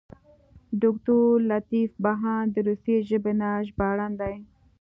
دوکتور لطیف بهاند د روسي ژبې نه ژباړن دی.